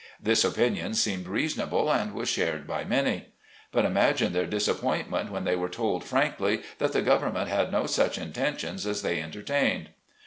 This opinion seemed reason able, and was shared by many. But imagine their disappointment when they were told frankly that the government had no such intentions as they entertained.